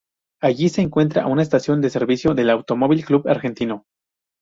Allí se encuentra una estación de Servicio del Automóvil Club Argentino.